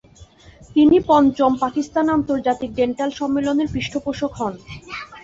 তিনি পঞ্চম পাকিস্তান আন্তর্জাতিক ডেন্টাল সম্মেলনের পৃষ্ঠপোষক হন।